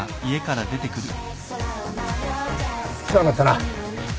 世話になったな。